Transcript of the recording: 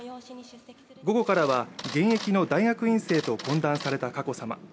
午後からは現役の大学院生と懇談された佳子さま。